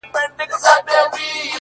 لـكــه دی لـــونــــــگ،